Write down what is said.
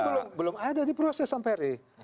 kan belum ada diproses sampai hari ini